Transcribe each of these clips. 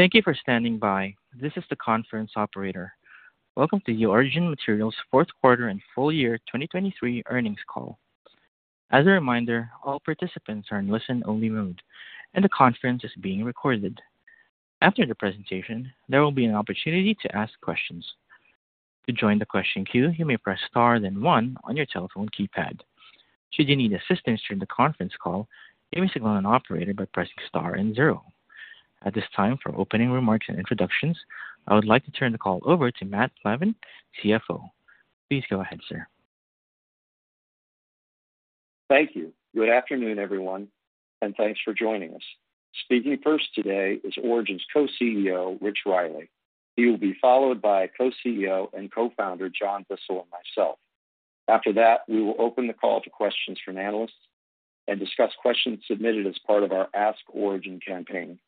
Thank you for standing by. This is the conference operator. Welcome to the Origin Materials Q4 and Full Year 2023 Earnings Call. As a reminder, all participants are in listen-only mode, and the conference is being recorded. After the presentation, there will be an opportunity to ask questions. To join the question queue, you may press Star, then one on your telephone keypad. Should you need assistance during the conference call, you may signal an operator by pressing Star and zero. At this time, for opening remarks and introductions, I would like to turn the call over to Matt Plavan, CFO. Please go ahead, sir. Thank you. Good afternoon, everyone, and thanks for joining us. Speaking first today is Origin's Co-CEO, Rich Riley. He will be followed by Co-CEO and Co-founder, John Bissell, and myself. After that, we will open the call to questions from analysts and discuss questions submitted as part of our Ask Origin campaign.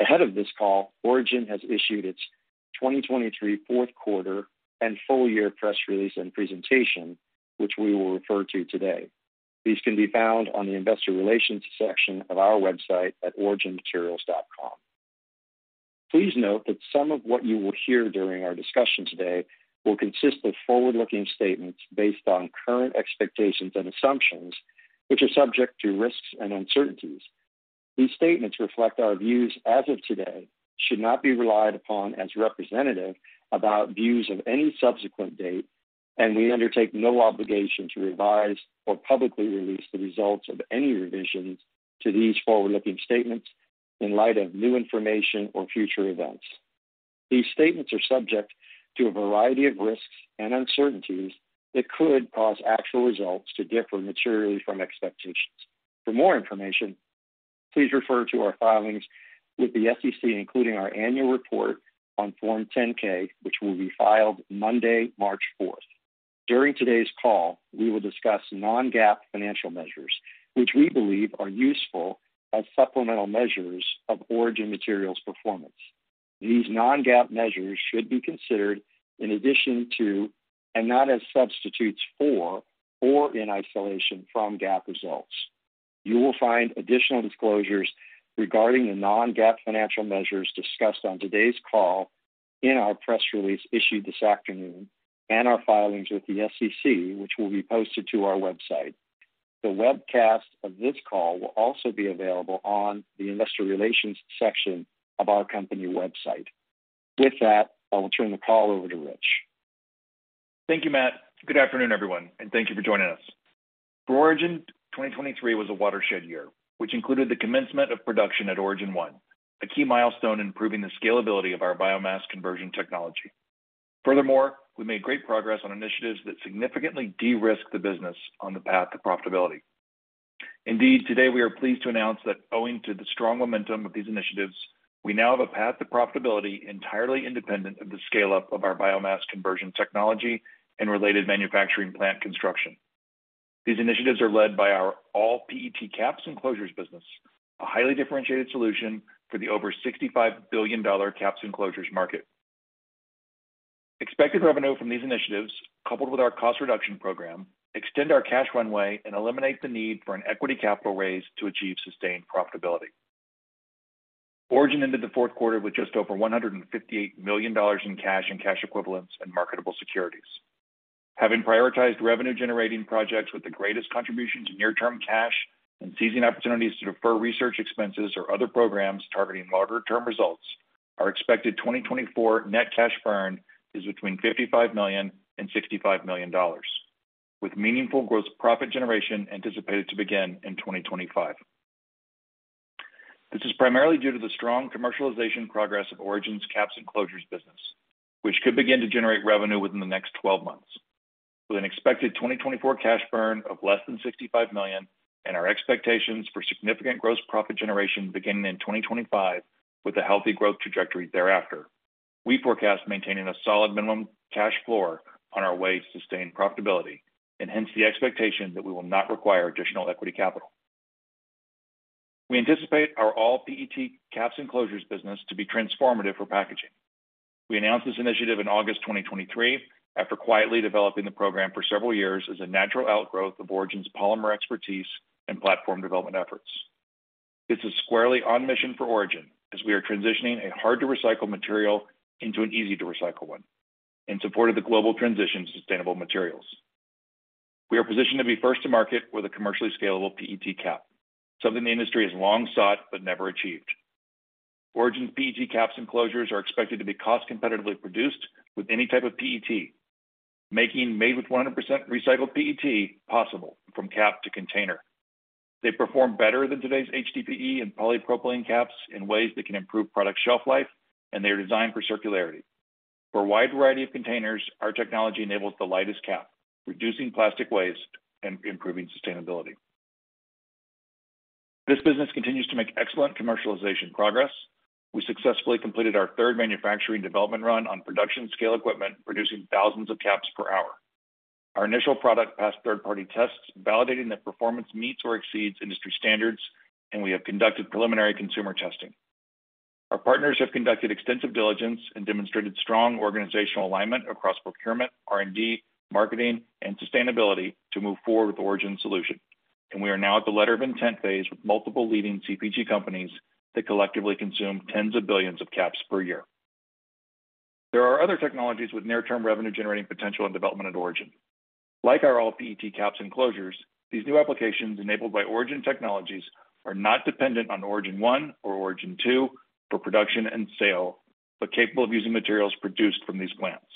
Ahead of this call, Origin has issued its 2023 Q4 and full year press release and presentation, which we will refer to today. These can be found on the investor relations section of our website at originmaterials.com. Please note that some of what you will hear during our discussion today will consist of forward-looking statements based on current expectations and assumptions, which are subject to risks and uncertainties. These statements reflect our views as of today, should not be relied upon as representative about views of any subsequent date, and we undertake no obligation to revise or publicly release the results of any revisions to these forward-looking statements in light of new information or future events. These statements are subject to a variety of risks and uncertainties that could cause actual results to differ materially from expectations. For more information, please refer to our filings with the SEC, including our annual report on Form 10-K, which will be filed Monday, 4 March. During today's call, we will discuss non-GAAP financial measures, which we believe are useful as supplemental measures of Origin Materials' performance. These non-GAAP measures should be considered in addition to, and not as substitutes for, or in isolation from GAAP results. You will find additional disclosures regarding the non-GAAP financial measures discussed on today's call in our press release issued this afternoon and our filings with the SEC, which will be posted to our website. The webcast of this call will also be available on the investor relations section of our company website. With that, I will turn the call over to Rich. Thank you, Matt. Good afternoon, everyone, and thank you for joining us. For Origin, 2023 was a watershed year, which included the commencement of production at Origin 1, a key milestone in improving the scalability of our biomass conversion technology. Furthermore, we made great progress on initiatives that significantly de-risk the business on the path to profitability. Indeed, today we are pleased to announce that owing to the strong momentum of these initiatives, we now have a path to profitability entirely independent of the scale-up of our biomass conversion technology and related manufacturing plant construction. These initiatives are led by our all PET caps and closures business, a highly differentiated solution for the over $65 billion caps and closures market. Expected revenue from these initiatives, coupled with our cost reduction program, extend our cash runway and eliminate the need for an equity capital raise to achieve sustained profitability. Origin ended the Q4 with just over $158 million in cash and cash equivalents and marketable securities. Having prioritized revenue-generating projects with the greatest contribution to near-term cash and seizing opportunities to defer research expenses or other programs targeting longer-term results, our expected 2024 net cash burn is between $55 and 65 million, with meaningful gross profit generation anticipated to begin in 2025. This is primarily due to the strong commercialization progress of Origin's caps and closures business, which could begin to generate revenue within the next 12 months. With an expected 2024 cash burn of less than $65 million and our expectations for significant gross profit generation beginning in 2025 with a healthy growth trajectory thereafter, we forecast maintaining a solid minimum cash floor on our way to sustained profitability and hence the expectation that we will not require additional equity capital. We anticipate our all PET caps and closures business to be transformative for packaging. We announced this initiative in August 2023 after quietly developing the program for several years as a natural outgrowth of Origin's polymer expertise and platform development efforts. This is squarely on mission for Origin as we are transitioning a hard-to-recycle material into an easy-to-recycle one in support of the global transition to sustainable materials. We are positioned to be first to market with a commercially scalable PET cap, something the industry has long sought but never achieved. Origin's PET caps and closures are expected to be cost competitively produced with any type of PET, making made with 100% recycled PET possible from cap to container. They perform better than today's HDPE and polypropylene caps in ways that can improve product shelf life, and they are designed for circularity. For a wide variety of containers, our technology enables the lightest cap, reducing plastic waste and improving sustainability. This business continues to make excellent commercialization progress. We successfully completed our third manufacturing development run on production scale equipment, producing thousands of caps per hour. Our initial product passed third-party tests, validating that performance meets or exceeds industry standards, and we have conducted preliminary consumer testing. Our partners have conducted extensive diligence and demonstrated strong organizational alignment across procurement, R&D, marketing, and sustainability to move forward with the Origin solution.... We are now at the letter of intent phase with multiple leading CPG companies that collectively consume tens of billions of caps per year. There are other technologies with near-term revenue-generating potential and development at Origin. Like our all-PET caps and closures, these new applications, enabled by Origin Technologies, are not dependent on Origin 1 or Origin 2 for production and sale, but capable of using materials produced from these plants.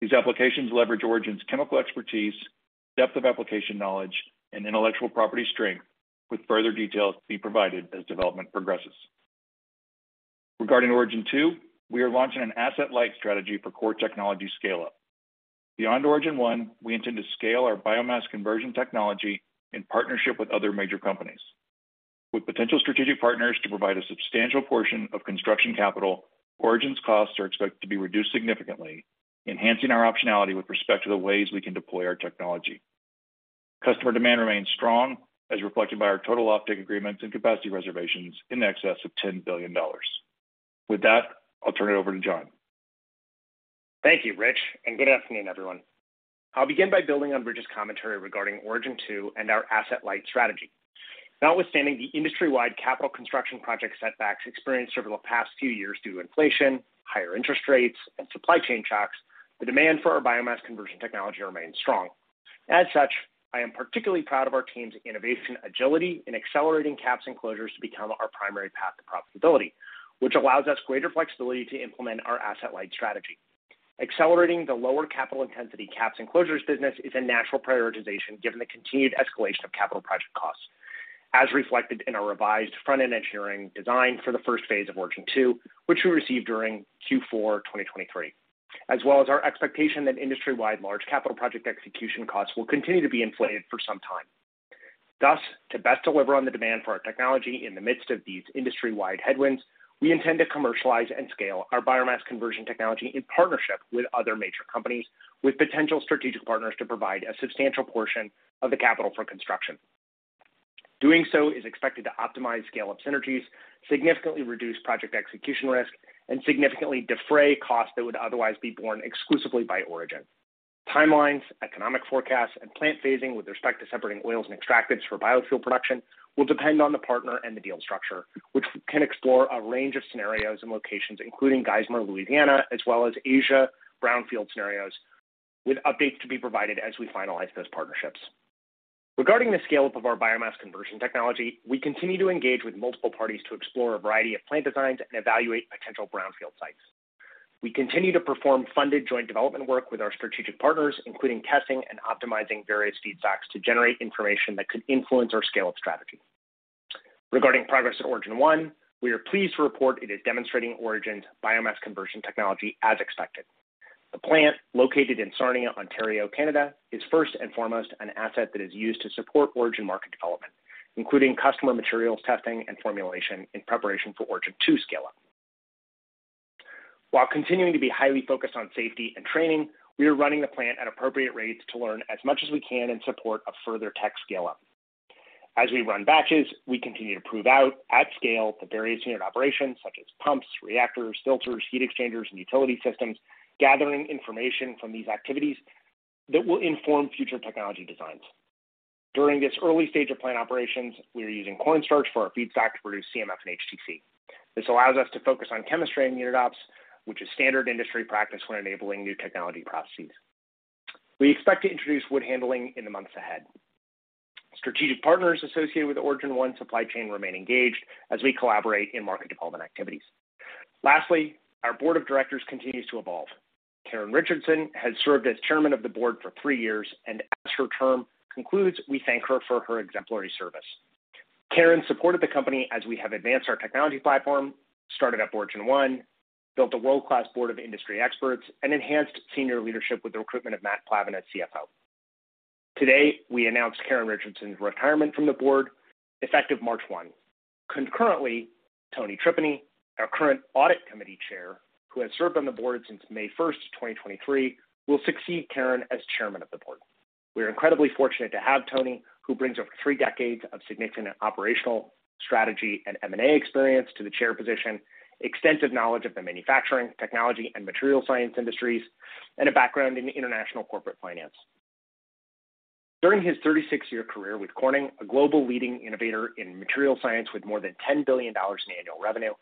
These applications leverage Origin's chemical expertise, depth of application knowledge, and intellectual property strength, with further details to be provided as development progresses. Regarding Origin 2, we are launching an asset-light strategy for core technology scale-up. Beyond Origin 1, we intend to scale our biomass conversion technology in partnership with other major companies. With potential strategic partners to provide a substantial portion of construction capital, Origin's costs are expected to be reduced significantly, enhancing our optionality with respect to the ways we can deploy our technology. Customer demand remains strong, as reflected by our total offtake agreements and capacity reservations in excess of $10 billion. With that, I'll turn it over to John. Thank you, Rich, and good afternoon, everyone. I'll begin by building on Rich's commentary regarding Origin 2 and our asset-light strategy. Notwithstanding the industry-wide capital construction project setbacks experienced over the past few years due to inflation, higher interest rates, and supply chain shocks, the demand for our biomass conversion technology remains strong. As such, I am particularly proud of our team's innovation, agility, and accelerating caps and closures to become our primary path to profitability, which allows us greater flexibility to implement our asset-light strategy. Accelerating the lower capital intensity caps and closures business is a natural prioritization, given the continued escalation of capital project costs, as reflected in our revised front-end engineering design for the first phase of Origin 2, which we received during Q4 2023, as well as our expectation that industry-wide large capital project execution costs will continue to be inflated for some time. Thus, to best deliver on the demand for our technology in the midst of these industry-wide headwinds, we intend to commercialize and scale our biomass conversion technology in partnership with other major companies, with potential strategic partners to provide a substantial portion of the capital for construction. Doing so is expected to optimize scale-up synergies, significantly reduce project execution risk, and significantly defray costs that would otherwise be borne exclusively by Origin. Timelines, economic forecasts, and plant phasing with respect to separating oils and extractives for biofuel production will depend on the partner and the deal structure, which can explore a range of scenarios and locations, including Geismar, Louisiana, as well as Asia, brownfield scenarios, with updates to be provided as we finalize those partnerships. Regarding the scale-up of our biomass conversion technology, we continue to engage with multiple parties to explore a variety of plant designs and evaluate potential brownfield sites. We continue to perform funded joint development work with our strategic partners, including testing and optimizing various feedstocks, to generate information that could influence our scale-up strategy. Regarding progress at Origin 1, we are pleased to report it is demonstrating Origin's biomass conversion technology as expected. The plant, located in Sarnia, Ontario, Canada, is first and foremost an asset that is used to support Origin market development, including customer materials testing and formulation in preparation for Origin 2 scale-up. While continuing to be highly focused on safety and training, we are running the plant at appropriate rates to learn as much as we can and support a further tech scale-up. As we run batches, we continue to prove out at scale the various unit operations such as pumps, reactors, filters, heat exchangers, and utility systems, gathering information from these activities that will inform future technology designs. During this early stage of plant operations, we are using cornstarch for our feedstock to produce CMF and HTC. This allows us to focus on chemistry and unit ops, which is standard industry practice when enabling new technology processes. We expect to introduce wood handling in the months ahead. Strategic partners associated with the Origin 1 supply chain remain engaged as we collaborate in market development activities. Lastly, our board of directors continues to evolve. Karen Richardson has served as Chairman of the Board for three years, and as her term concludes, we thank her for her exemplary service. Karen supported the company as we have advanced our technology platform, started up Origin 1, built a world-class board of industry experts, and enhanced senior leadership with the recruitment of Matt Plavan as CFO. Today, we announced Karen Richardson's retirement from the board, effective 1 March. Concurrently, Tony Tripeny, our current Audit Committee Chair, who has served on the board since 1 May 2023, will succeed Karen as Chairman of the board. We are incredibly fortunate to have Tony, who brings over three decades of significant operational strategy and M&A experience to the chair position, extensive knowledge of the manufacturing, technology and material science industries, and a background in international corporate finance. During his 36-year career with Corning, a global leading innovator in material science, with more than $10 billion in annual revenue,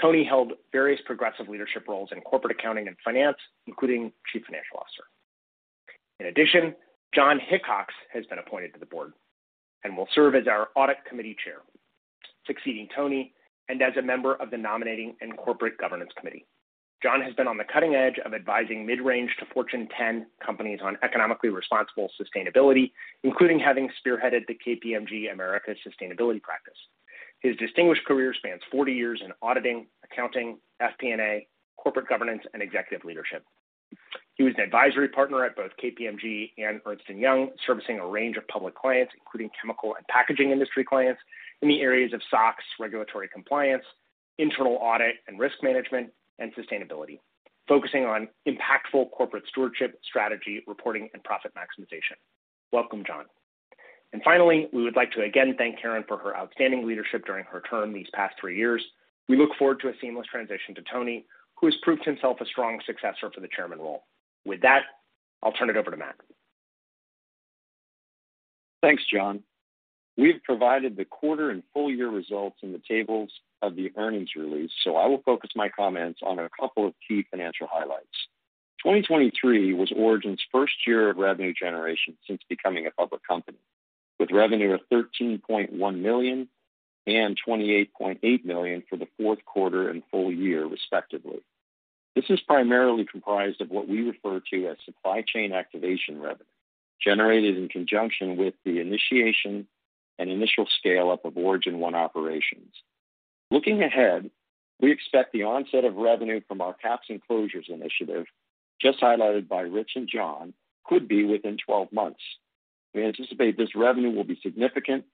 Tony held various progressive leadership roles in corporate accounting and finance, including Chief Financial Officer. In addition, John Hickox has been appointed to the board and will serve as our Audit Committee Chair, succeeding Tony, and as a member of the Nominating and Corporate Governance Committee. John has been on the cutting edge of advising mid-range to Fortune 100 companies on economically responsible sustainability, including having spearheaded the KPMG Americas Sustainability Practice. His distinguished career spans 40 years in auditing, accounting, FP&A, corporate governance, and executive leadership. He was an advisory partner at both KPMG and Ernst & Young, servicing a range of public clients, including chemical and packaging industry clients in the areas of SOX, regulatory compliance, internal audit and risk management, and sustainability, focusing on impactful corporate stewardship, strategy, reporting, and profit maximization. Welcome, John. And finally, we would like to again thank Karen for her outstanding leadership during her term these past 3 years. We look forward to a seamless transition to Tony, who has proved himself a strong successor for the Chairman role. With that, I'll turn it over to Matt. Thanks, John. We've provided the quarter and full year results in the tables of the earnings release, so I will focus my comments on a couple of key financial highlights. 2023 was Origin's first year of revenue generation since becoming a public company, with revenue of $13.1 and 28.8 million for the Q4 and full year, respectively. This is primarily comprised of what we refer to as supply chain activation revenue, generated in conjunction with the initiation and initial scale-up of Origin 1 operations. Looking ahead, we expect the onset of revenue from our caps and closures initiative, just highlighted by Rich and John, could be within 12 months. We anticipate this revenue will be significant,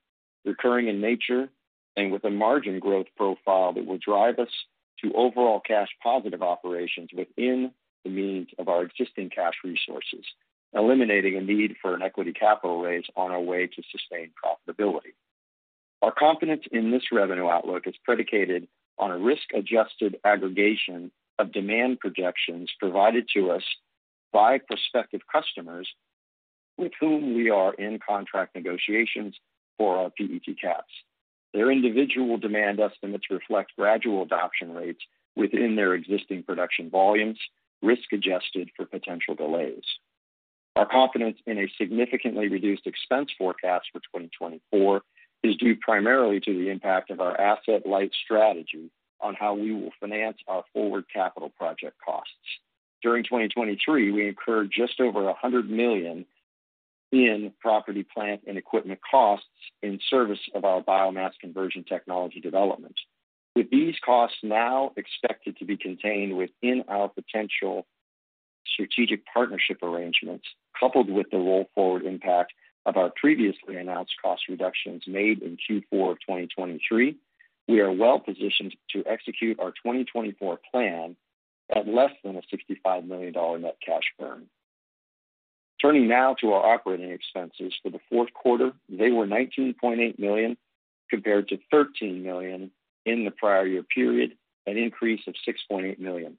recurring in nature, and with a margin growth profile that will drive us to overall cash positive operations within the means of our existing cash resources, eliminating a need for an equity capital raise on our way to sustained profitability. Our confidence in this revenue outlook is predicated on a risk-adjusted aggregation of demand projections provided to us by prospective customers with whom we are in contract negotiations for our PET caps. Their individual demand estimates reflect gradual adoption rates within their existing production volumes, risk-adjusted for potential delays. Our confidence in a significantly reduced expense forecast for 2024 is due primarily to the impact of our asset-light strategy on how we will finance our forward capital project costs. During 2023, we incurred just over $100 million in property, plant, and equipment costs in service of our biomass conversion technology development. With these costs now expected to be contained within our potential strategic partnership arrangements, coupled with the roll forward impact of our previously announced cost reductions made in Q4 of 2023, we are well positioned to execute our 2024 plan at less than a $65 million net cash burn. Turning now to our operating expenses for the Q4. They were $19.8 million compared to $13 million in the prior year period, an increase of $6.8 million.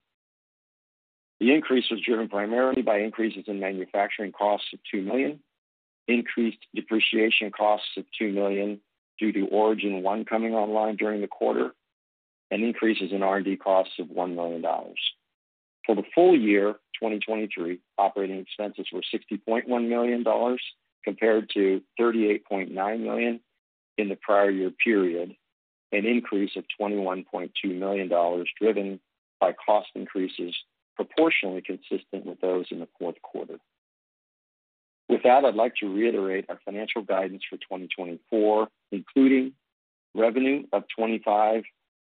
The increase was driven primarily by increases in manufacturing costs of $2 million, increased depreciation costs of $2 million due to Origin 1 coming online during the quarter, and increases in R&D costs of $1 million. For the full year 2023, operating expenses were $60.1 million compared to $38.9 million in the prior year period, an increase of $21.2 million, driven by cost increases proportionally consistent with those in the Q4. With that, I'd like to reiterate our financial guidance for 2024, including revenue of $25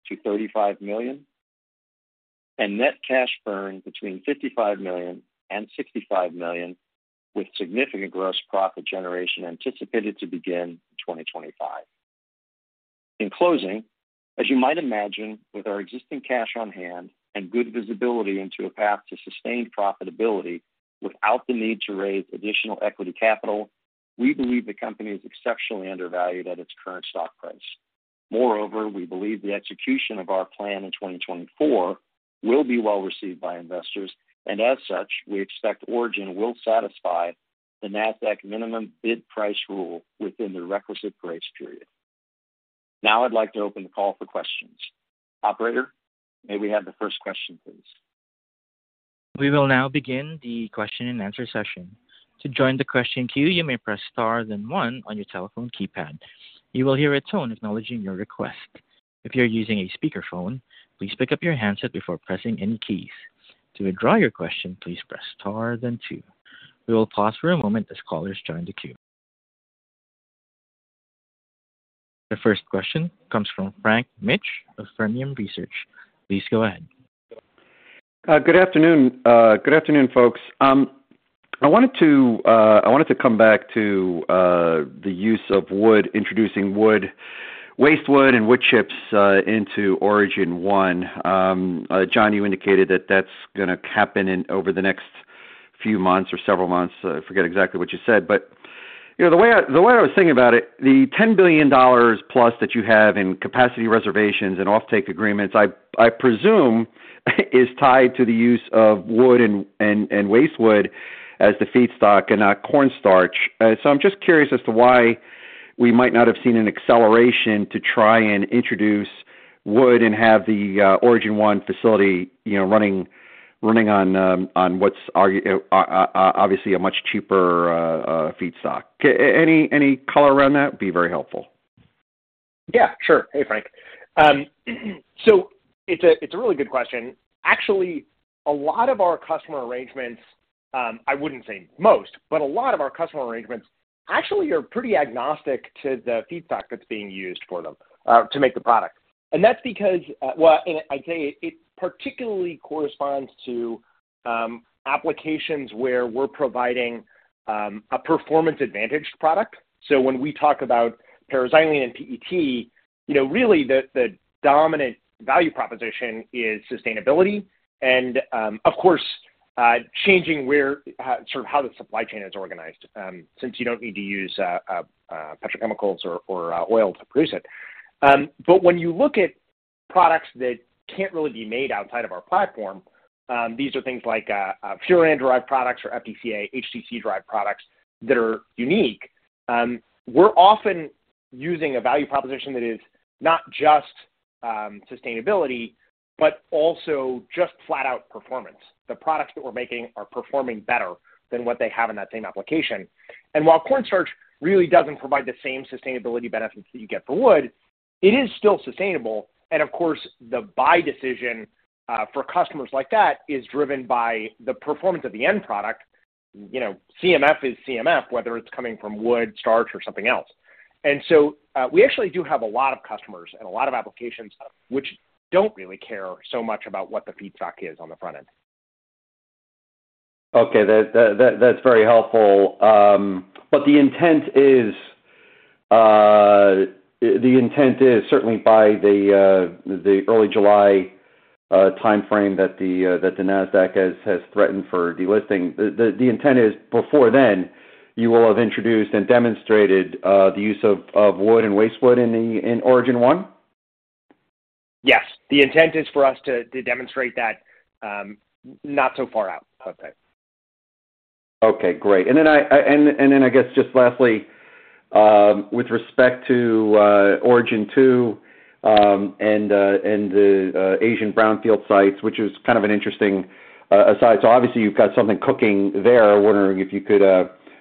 to 35 million and net cash burn between $55 and 65 million, with significant gross profit generation anticipated to begin in 2025. In closing, as you might imagine, with our existing cash on hand and good visibility into a path to sustained profitability without the need to raise additional equity capital, we believe the company is exceptionally undervalued at its current stock price. Moreover, we believe the execution of our plan in 2024 will be well received by investors, and as such, we expect Origin will satisfy the Nasdaq minimum bid price rule within the requisite grace period. Now I'd like to open the call for questions. Operator, may we have the first question, please? We will now begin the question-and-answer session. To join the question queue, you may press star, then one on your telephone keypad. You will hear a tone acknowledging your request. If you're using a speakerphone, please pick up your handset before pressing any keys. To withdraw your question, please press star then two. We will pause for a moment as callers join the queue. The first question comes from Frank Mitsch of Fermium Research. Please go ahead. Good afternoon. Good afternoon, folks. I wanted to come back to the use of wood, introducing wood, waste wood and wood chips, into Origin 1. John, you indicated that that's gonna happen in over the next few months or several months. I forget exactly what you said, but, you know, the way I was thinking about it, the $10 billion plus that you have in capacity reservations and offtake agreements, I presume, is tied to the use of wood and waste wood as the feedstock and not cornstarch. So I'm just curious as to why we might not have seen an acceleration to try and introduce wood and have the Origin 1 facility, you know, running on what's obviously a much cheaper feedstock. Any, any color around that would be very helpful. Yeah, sure. Hey, Frank. So it's a, it's a really good question. Actually, a lot of our customer arrangements, I wouldn't say most, but a lot of our customer arrangements actually are pretty agnostic to the feedstock that's being used for them, to make the product. And that's because, well, and I'd say it particularly corresponds to applications where we're providing a performance advantaged product. So when we talk about para-xylene and PET, you know, really the dominant value proposition is sustainability and, of course, changing where sort of how the supply chain is organized, since you don't need to use petrochemicals or oil to produce it. But when you look at products that can't really be made outside of our platform, these are things like, para-xylene products or FDCA, HTC-derived products that are unique. We're often using a value proposition that is not just sustainability, but also just flat out performance. The products that we're making are performing better than what they have in that same application. And while cornstarch really doesn't provide the same sustainability benefits that you get for wood, it is still sustainable, and of course, the buy decision for customers like that is driven by the performance of the end product. You know, CMF is CMF, whether it's coming from wood, starch, or something else. And so, we actually do have a lot of customers and a lot of applications which don't really care so much about what the feedstock is on the front end. Okay. That's very helpful. But the intent is certainly by the early July timeframe that the Nasdaq has threatened for delisting. The intent is before then, you will have introduced and demonstrated the use of wood and waste wood in Origin 1? Yes. The intent is for us to demonstrate that, not so far out. Okay. Okay, great. And then I guess, just lastly, with respect to Origin 2, and the Asian brownfield sites, which is kind of an interesting aside. So obviously you've got something cooking there. I'm wondering if you could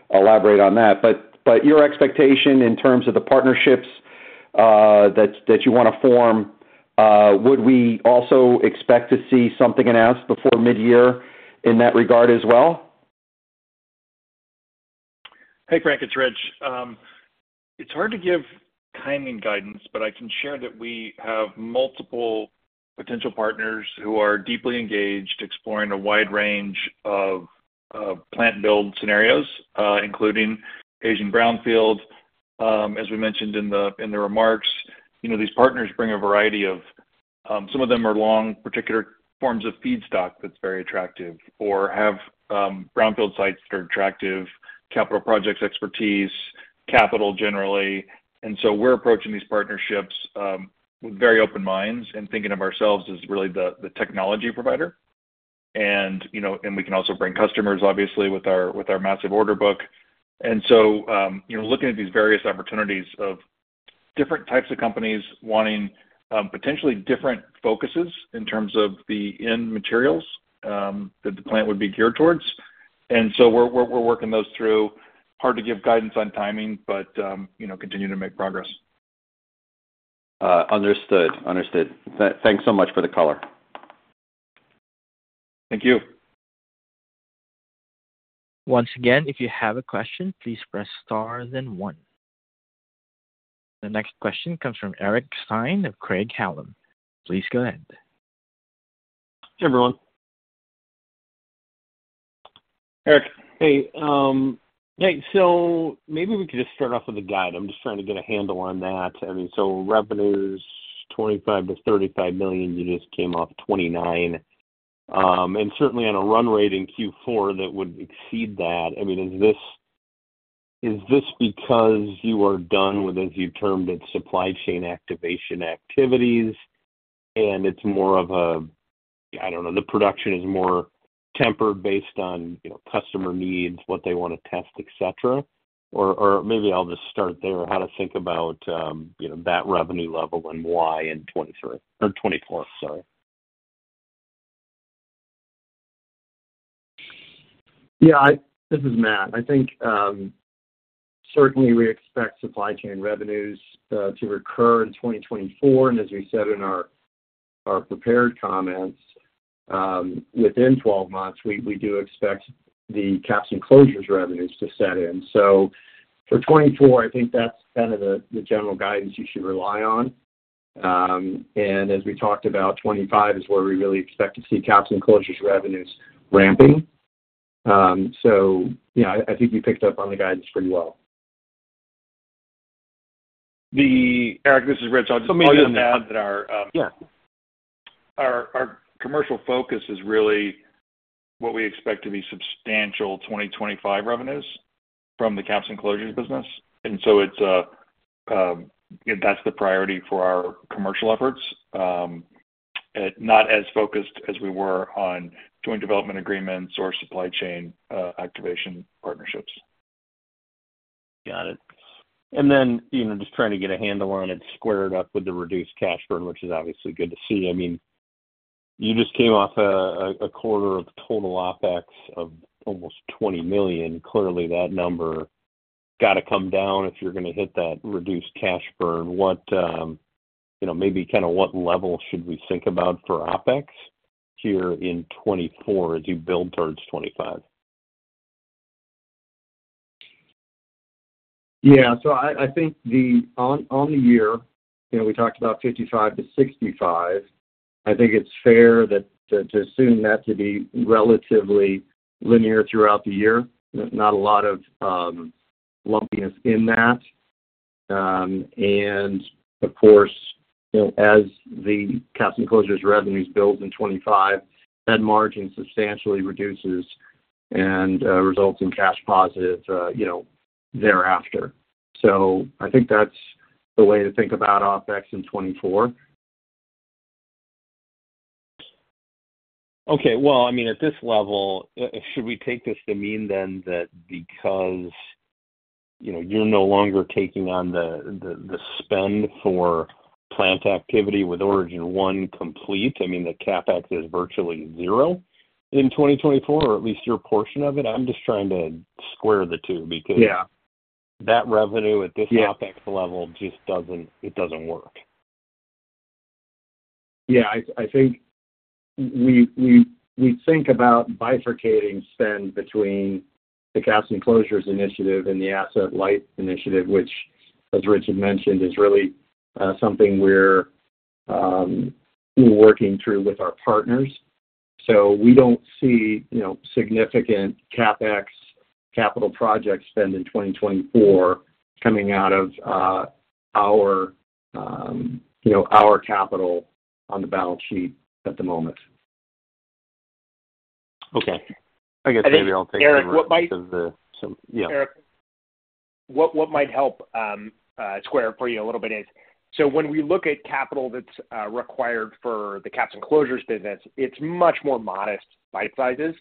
elaborate on that. But your expectation in terms of the partnerships that you wanna form, would we also expect to see something announced before mid-year in that regard as well? Hey, Frank, it's Rich. It's hard to give timing guidance, but I can share that we have multiple potential partners who are deeply engaged, exploring a wide range of, plant build scenarios, including Asian Brownfield. As we mentioned in the, in the remarks, you know, these partners bring a variety of... Some of them are long, particular forms of feedstock that's very attractive or have, brownfield sites that are attractive, capital projects expertise, capital generally. And so we're approaching these partnerships, with very open minds and thinking of ourselves as really the, the technology provider. And, you know, and we can also bring customers, obviously, with our, with our massive order book. And so, you know, looking at these various opportunities of different types of companies wanting potentially different focuses in terms of the end materials that the plant would be geared towards. And so we're working those through. Hard to give guidance on timing, but you know, continuing to make progress. Understood. Understood. Thanks so much for the color. Thank you. Once again, if you have a question, please press Star then one. The next question comes from Eric Stein of Craig-Hallum. Please go ahead. Hey, everyone. Eric. Hey, hey, so maybe we could just start off with a guide. I'm just trying to get a handle on that. I mean, so revenues $25 to 35 million, you just came off $29 million. And certainly on a run rate in Q4, that would exceed that. I mean, is this, is this because you are done with, as you termed it, supply chain activation activities, and it's more of a, I don't know, the production is more tempered based on, you know, customer needs, what they want to test, et cetera? Or, or maybe I'll just start there, how to think about, you know, that revenue level and why in 2023 or 2024, sorry. Yeah, this is Matt. I think, certainly we expect supply chain revenues to recur in 2024. And as we said in our prepared comments, within 12 months, we do expect the caps and closures revenues to set in. So for 2024, I think that's kind of the general guidance you should rely on. And as we talked about, 2025 is where we really expect to see caps and closures revenues ramping. So yeah, I think you picked up on the guidance pretty well. Eric, this is Rich. I'll just add that our commercial focus is really what we expect to be substantial 2025 revenues from the caps and closures business. And so it's, that's the priority for our commercial efforts. Not as focused as we were on joint development agreements or supply chain activation partnerships. Got it. Then, you know, just trying to get a handle on it, squared up with the reduced cash burn, which is obviously good to see. I mean, you just came off a quarter of total OpEx of almost $20 million. Clearly, that number got to come down if you're gonna hit that reduced cash burn. What, you know, maybe kind of what level should we think about for OpEx here in 2024 as you build towards 2025? Yeah. So I think on the year, you know, we talked about 55 to 65. I think it's fair to assume that to be relatively linear throughout the year. Not a lot of lumpiness in that. And of course, you know, as the caps and closures revenues build in 2025, that margin substantially reduces.... and results in cash positive, you know, thereafter. So I think that's the way to think about OpEx in 2024. Okay. Well, I mean, at this level, should we take this to mean then that because, you know, you're no longer taking on the spend for plant activity with Origin 1 complete, I mean, the CapEx is virtually zero in 2024, or at least your portion of it? I'm just trying to square the two because that revenue at this OpEx level just doesn't, it doesn't work. Yeah, I think we think about bifurcating spend between the caps and closures initiative and the asset-light initiative, which, as Rich mentioned, is really something we're working through with our partners. So we don't see, you know, significant CapEx capital project spend in 2024 coming out of our you know, our capital on the balance sheet at the moment. Okay. I guess maybe I'll take- Eric, what might help square it for you a little bit is, so when we look at capital that's required for the caps and closures business, it's much more modest bite sizes,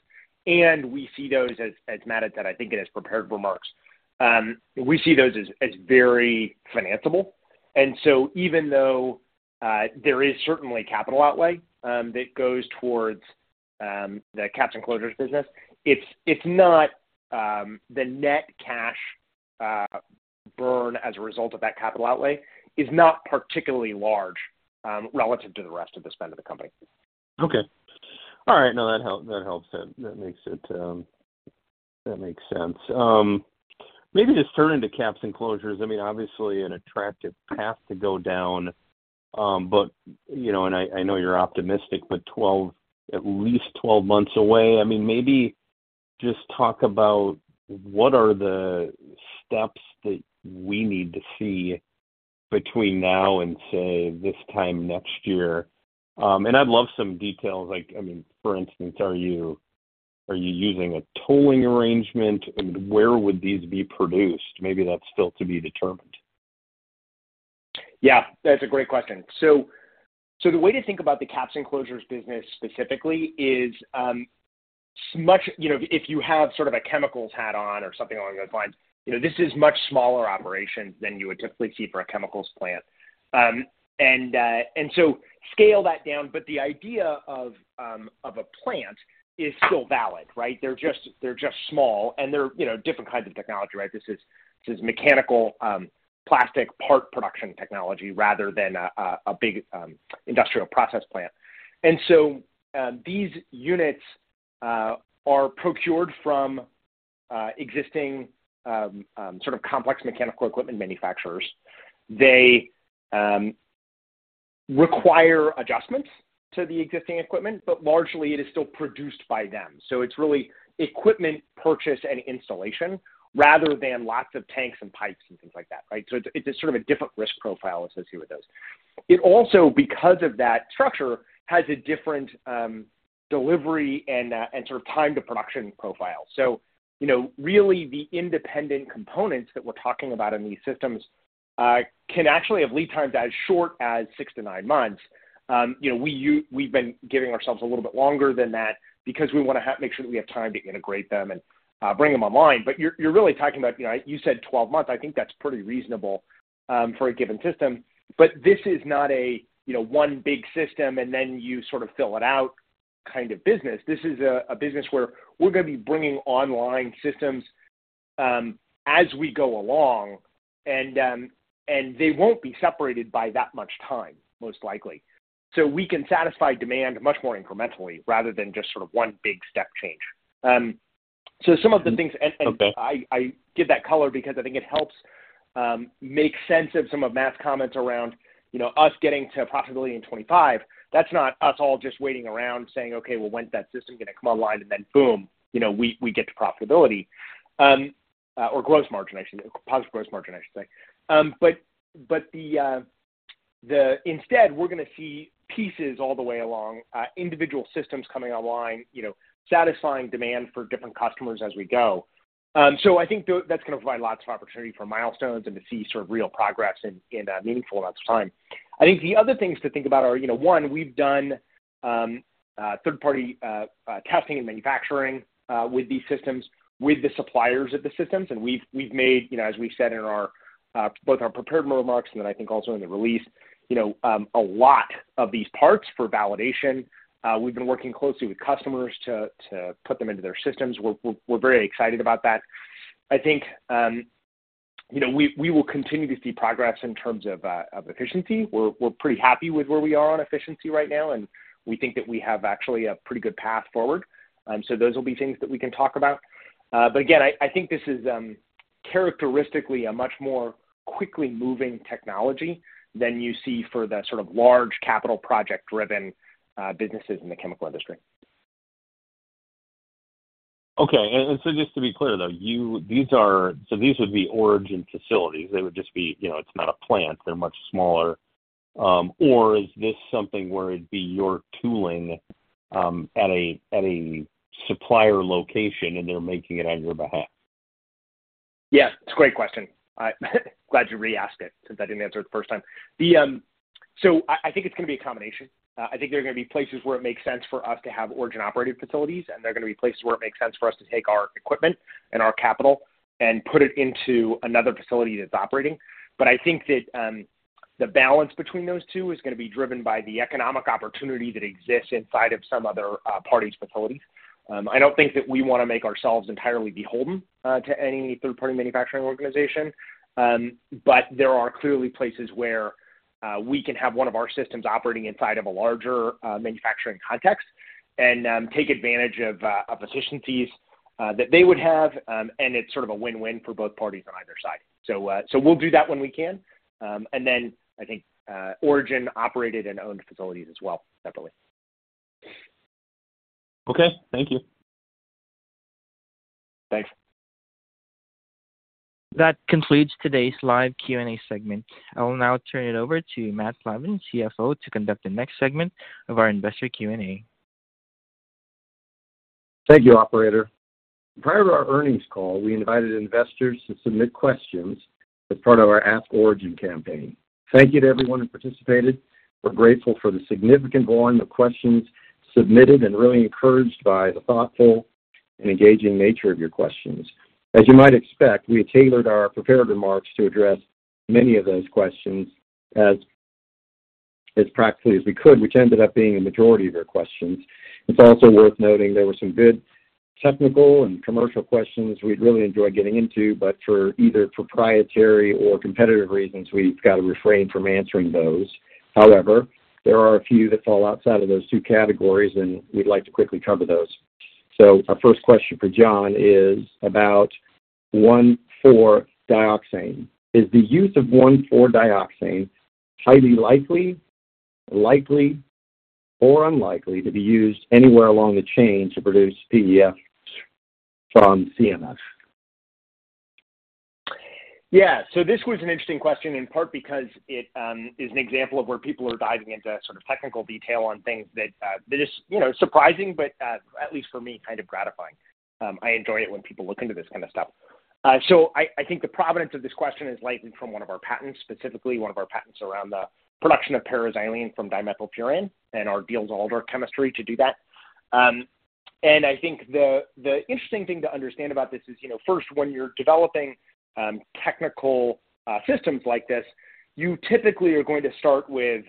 and we see those as, as Matt had said, I think, in his prepared remarks. We see those as very financeable. And so even though there is certainly capital outlay that goes towards the caps and closures business, it's not the net cash burn as a result of that capital outlay, is not particularly large relative to the rest of the spend of the company. Okay. All right. No, that helps. That, that makes it, that makes sense. Maybe just turning to caps and closures, I mean, obviously an attractive path to go down. But, you know, and I, I know you're optimistic, but 12, at least 12 months away. I mean, maybe just talk about what are the steps that we need to see between now and, say, this time next year. And I'd love some details, like, I mean, for instance, are you, are you using a tolling arrangement? Where would these be produced? Maybe that's still to be determined. Yeah, that's a great question. So, the way to think about the caps and closures business specifically is, much... You know, if you have sort of a chemicals hat on or something along those lines, you know, this is much smaller operation than you would typically see for a chemicals plant. And so scale that down, but the idea of a plant is still valid, right? They're just, they're just small, and they're, you know, different kinds of technology, right? This is, this is mechanical, plastic part production technology rather than a big, industrial process plant. And so, these units are procured from existing, sort of complex mechanical equipment manufacturers. They require adjustments to the existing equipment, but largely it is still produced by them. So it's really equipment purchase and installation rather than lots of tanks and pipes and things like that, right? So it's, it's sort of a different risk profile associated with those. It also, because of that structure, has a different delivery and sort of time to production profile. So, you know, really the independent components that we're talking about in these systems can actually have lead times as short as 6-9 months. You know, we've been giving ourselves a little bit longer than that because we want to have, make sure that we have time to integrate them and bring them online. But you're, you're really talking about, you know, you said 12 months. I think that's pretty reasonable for a given system, but this is not a, you know, one big system and then you sort of fill it out kind of business. This is a business where we're gonna be bringing online systems as we go along, and they won't be separated by that much time, most likely. So we can satisfy demand much more incrementally rather than just sort of one big step change. So some of the things- Okay. I give that color because I think it helps make sense of some of Matt's comments around, you know, us getting to profitability in 2025. That's not us all just waiting around saying, "Okay, well, when's that system gonna come online?" And then, boom, you know, we get to profitability, or gross margin, actually, positive gross margin, I should say. But instead, we're gonna see pieces all the way along, individual systems coming online, you know, satisfying demand for different customers as we go. So I think that's gonna provide lots of opportunity for milestones and to see sort of real progress in meaningful amounts of time. I think the other things to think about are, you know, one, we've done third-party testing and manufacturing with these systems, with the suppliers of the systems, and we've made, you know, as we've said in our both our prepared remarks and then I think also in the release, you know, a lot of these parts for validation. We've been working closely with customers to put them into their systems. We're very excited about that. I think, you know, we will continue to see progress in terms of efficiency. We're pretty happy with where we are on efficiency right now, and we think that we have actually a pretty good path forward. So those will be things that we can talk about. But again, I think this is characteristically a much more quickly moving technology than you see for the sort of large capital project-driven businesses in the chemical industry. Okay. So just to be clear, though, these would be Origin facilities. They would just be, you know, it's not a plant. They're much smaller, or is this something where it'd be your tooling at a supplier location, and they're making it on your behalf? Yes, it's a great question. I glad you reasked it, since I didn't answer it the first time. The, so I, I think it's gonna be a combination. I think there are gonna be places where it makes sense for us to have Origin-operated facilities, and there are gonna be places where it makes sense for us to take our equipment and our capital and put it into another facility that's operating. But I think that, the balance between those two is gonna be driven by the economic opportunity that exists inside of some other, party's facility. I don't think that we wanna make ourselves entirely beholden, to any third-party manufacturing organization. But there are clearly places where we can have one of our systems operating inside of a larger manufacturing context and take advantage of efficiencies that they would have, and it's sort of a win-win for both parties on either side. So, we'll do that when we can. And then I think Origin-operated and owned facilities as well, definitely. Okay, thank you. Thanks. That concludes today's live Q&A segment. I will now turn it over to Matt Plavan, CFO, to conduct the next segment of our investor Q&A. Thank you, operator. Prior to our earnings call, we invited investors to submit questions as part of our Ask Origin campaign. Thank you to everyone who participated. We're grateful for the significant volume of questions submitted and really encouraged by the thoughtful and engaging nature of your questions. As you might expect, we tailored our prepared remarks to address many of those questions as practically as we could, which ended up being a majority of your questions. It's also worth noting there were some good technical and commercial questions we'd really enjoyed getting into, but for either proprietary or competitive reasons, we've got to refrain from answering those. However, there are a few that fall outside of those two categories, and we'd like to quickly cover those. So our first question for John is about 1,4-dioxane. Is the use of 1,4-dioxane highly likely, likely, or unlikely to be used anywhere along the chain to produce PEFs from CMF? Yeah. So this was an interesting question, in part because it is an example of where people are diving into sort of technical detail on things that that is, you know, surprising, but at least for me, kind of gratifying. I enjoy it when people look into this kind of stuff. So I think the provenance of this question is likely from one of our patents, specifically one of our patents around the production of para-xylene from dimethylfuran and our Diels-Alder chemistry to do that. And I think the interesting thing to understand about this is, you know, first, when you're developing technical systems like this, you typically are going to start with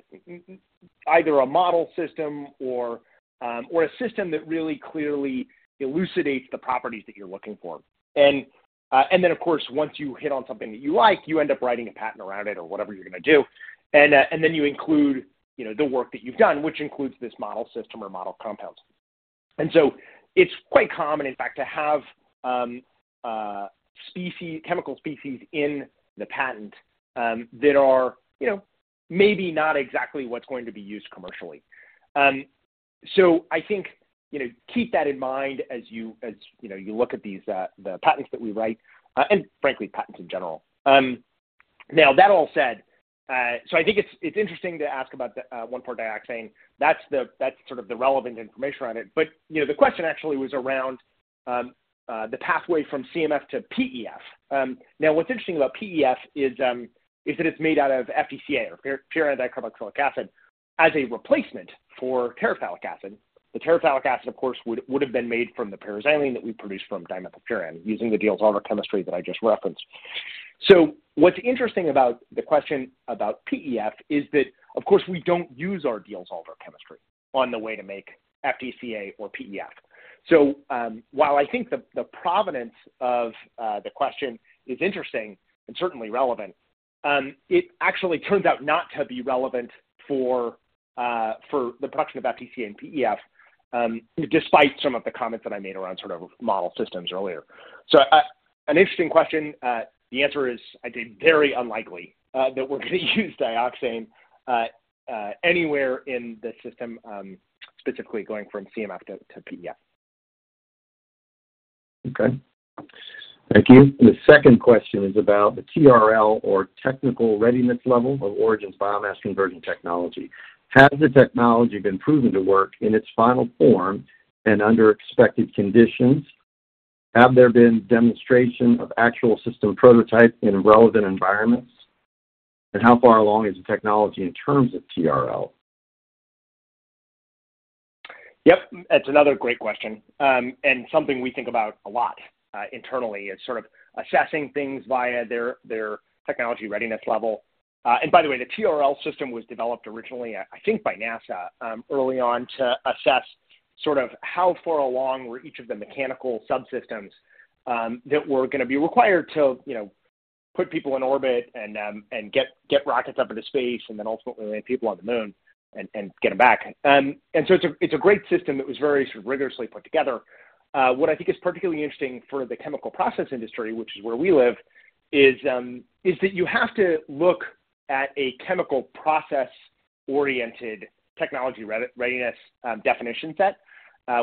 either a model system or, or a system that really clearly elucidates the properties that you're looking for. And then, of course, once you hit on something that you like, you end up writing a patent around it or whatever you're gonna do. And then you include, you know, the work that you've done, which includes this model system or model compounds. And so it's quite common, in fact, to have chemical species in the patent that are, you know, maybe not exactly what's going to be used commercially. So I think, you know, keep that in mind as you, you know, you look at these the patents that we write, and frankly, patents in general. Now, that all said, so I think it's interesting to ask about the 1,4 dioxane. That's the sort of the relevant information around it. But, you know, the question actually was around the pathway from CMF to PEF. Now, what's interesting about PEF is that it's made out of FDCA or furandicarboxylic acid, as a replacement for terephthalic acid. The terephthalic acid, of course, would have been made from the para-xylene that we produced from dimethylfuran, using the Diels-Alder chemistry that I just referenced. So what's interesting about the question about PEF is that, of course, we don't use our Diels-Alder chemistry on the way to make FDCA or PEF. So, while I think the provenance of the question is interesting and certainly relevant, it actually turns out not to be relevant for the production of FDCA and PEF, despite some of the comments that I made around sort of model systems earlier. So, an interesting question. The answer is, I think, very unlikely that we're gonna use dioxane anywhere in the system, specifically going from CMF to PEF. Okay. Thank you. The second question is about the TRL, or technical readiness level, of Origin's biomass conversion technology. Has the technology been proven to work in its final form and under expected conditions? Have there been demonstration of actual system prototype in relevant environments? And how far along is the technology in terms of TRL? Yep, that's another great question, and something we think about a lot, internally. It's sort of assessing things via their technology readiness level. By the way, the TRL system was developed originally, I think, by NASA, early on to assess sort of how far along were each of the mechanical subsystems that were gonna be required to, you know, put people in orbit and get rockets up into space, and then ultimately land people on the moon and get them back. So it's a great system that was very sort of rigorously put together. What I think is particularly interesting for the chemical process industry, which is where we live, is that you have to look at a chemical process-oriented technology readiness definition set,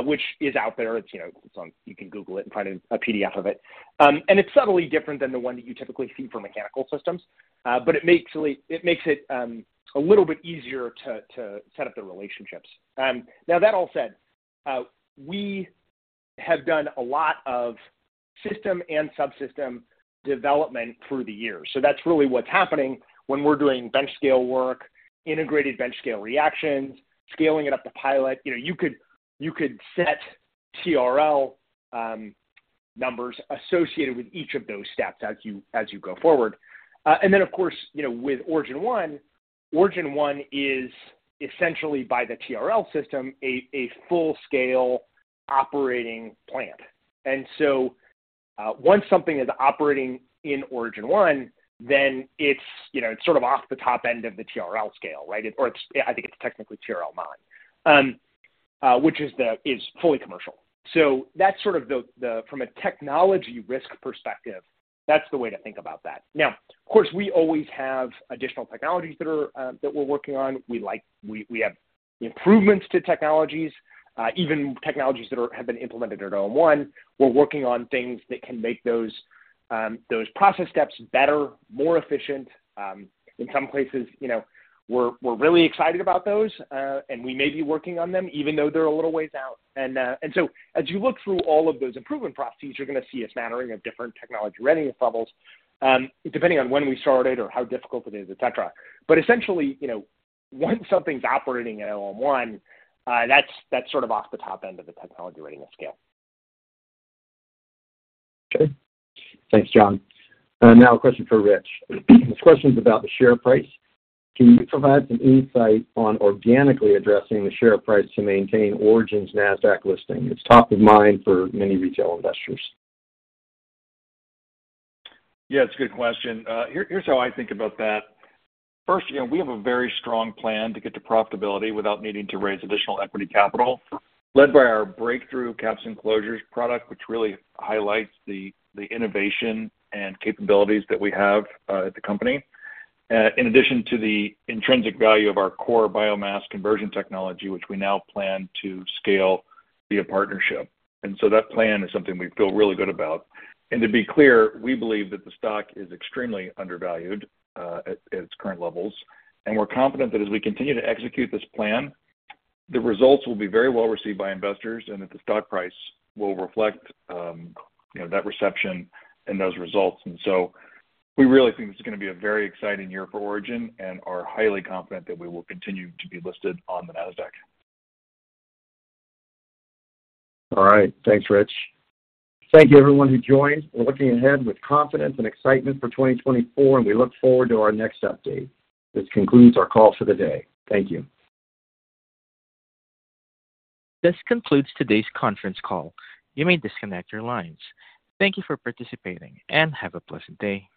which is out there. It's, you know, it's on. You can Google it and find a PDF of it. It's subtly different than the one that you typically see for mechanical systems. But it makes it a little bit easier to set up the relationships. Now, that all said, we have done a lot of system and subsystem development through the years. So that's really what's happening when we're doing bench scale work, integrated bench scale reactions, scaling it up to pilot. You know, you could set TRL numbers associated with each of those steps as you go forward. And then, of course, you know, with Origin 1, Origin 1 is essentially, by the TRL system, a full-scale operating plant. And so, once something is operating in Origin 1, then it's, you know, it's sort of off the top end of the TRL scale, right? Or it's, I think it's technically TRL 9. Which is fully commercial. So that's sort of the... From a technology risk perspective, that's the way to think about that. Now, of course, we always have additional technologies that we're working on. We have improvements to technologies, even technologies that have been implemented at OM1. We're working on things that can make those process steps better, more efficient. In some places, you know, we're really excited about those, and we may be working on them, even though they're a little ways out. So as you look through all of those improvement processes, you're gonna see a smattering of different technology readiness levels, depending on when we started or how difficult it is, et cetera. But essentially, you know, once something's operating at Origin 1, that's sort of off the top end of the technology readiness scale. Okay. Thanks, John. Now a question for Rich. This question is about the share price. Can you provide some insight on organically addressing the share price to maintain Origin's Nasdaq listing? It's top of mind for many retail investors. Yeah, it's a good question. Here, here's how I think about that. First, you know, we have a very strong plan to get to profitability without needing to raise additional equity capital, led by our breakthrough caps and closures product, which really highlights the innovation and capabilities that we have at the company. In addition to the intrinsic value of our core biomass conversion technology, which we now plan to scale via partnership. And so that plan is something we feel really good about. And to be clear, we believe that the stock is extremely undervalued at its current levels. And we're confident that as we continue to execute this plan, the results will be very well received by investors and that the stock price will reflect you know, that reception and those results. We really think this is gonna be a very exciting year for Origin and are highly confident that we will continue to be listed on the Nasdaq. All right. Thanks, Rich. Thank you, everyone, who joined. We're looking ahead with confidence and excitement for 2024, and we look forward to our next update. This concludes our call for the day. Thank you. This concludes today's conference call. You may disconnect your lines. Thank you for participating and have a pleasant day.